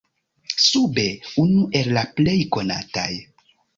Sube unu el la plej konataj.